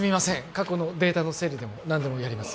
過去のデータの整理でも何でもやります